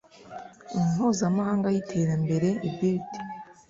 mpuzamahanga y iterambere ibrd